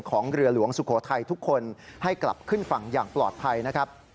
ของเรือหลวงสุโขทัยทุกคนให้กลับขึ้นฝั่งอย่างปลอดภัยนะครับ